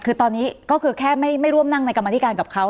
คือตอนนี้ก็คือแค่ไม่ร่วมนั่งในกรรมธิการกับเขา